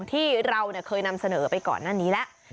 ที่เราเคยนำเสนอไปก่อนหน้านี้แล้ว